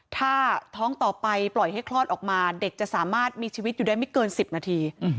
ถ้าท้องต่อไปปล่อยให้คลอดออกมาเด็กจะสามารถมีชีวิตอยู่ได้ไม่เกิน๑๐นาที